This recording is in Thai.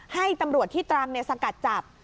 ให้ตำรวจที่ตรังสกัดจับ